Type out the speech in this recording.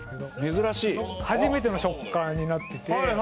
珍しい初めての食感になっててはい